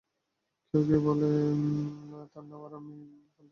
কেউ কেউ বলেন, তাঁর নাম আরমীয়া ইবন খালকীয়া।